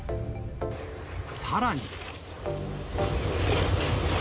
さらに。